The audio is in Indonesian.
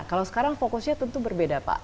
kalau sekarang fokusnya tentu berbeda pak